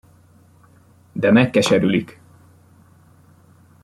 De megkeserülik!